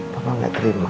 papa nggak terima